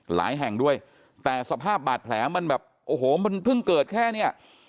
หลายแห่งด้วยแต่สภาพบาดแผลมันแบบโอ้โหมันเพิ่งเกิดแค่เนี่ย